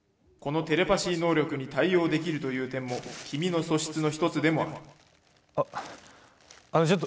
このテレパシー能力に対応できるという点も君の素質の一つでもある」。